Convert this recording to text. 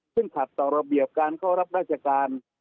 ซึ่งขัดต่อระเบียบการเข้ารับราชการ